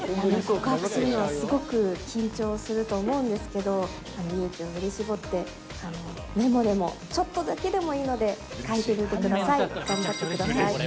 告白するのはすごく緊張すると思うんですけど、勇気を振り絞って、メモでも、ちょっとだけでもいいので、書いてみてください。頑張ってください。